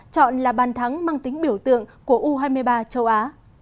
chọn là bàn thắng mang tính biểu tượng của u hai mươi ba châu á